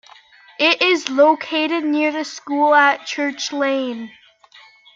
It is located near the school at "Church Lane".